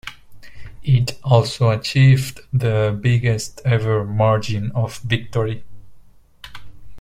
It also achieved the biggest ever margin of victory.